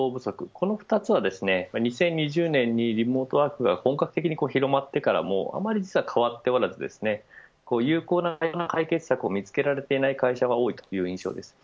この２つは２０２０年にリモートワークが本格的に広まってからもあまり、実は変わっておらず有効な解決策を見つけられていない会社が多い印象です。